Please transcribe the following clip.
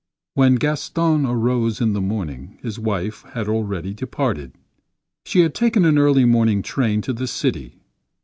When Gaston arose in the morning, his wife had already departed. She had taken an early morning train to the city.